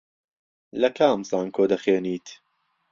لە کام زانکۆ دەخوێنیت؟